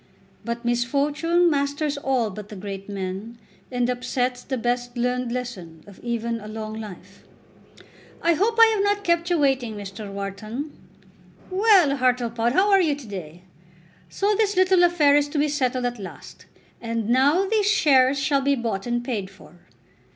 But misfortune masters all but the great men, and upsets the best learned lesson of even a long life. "I hope I have not kept you waiting, Mr. Wharton. Well, Hartlepod, how are you to day? So this little affair is to be settled at last, and now these shares shall be bought and paid for."